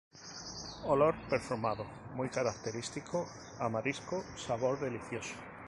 Olor perfumado muy característico, a marisco, sabor delicioso.